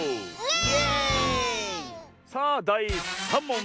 さあだい３もん！